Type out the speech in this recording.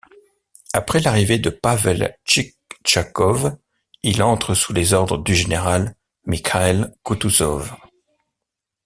Après l'arrivée de Pavel Tchitchagov, il entre sous les ordres du général Mikhaïl Koutouzov.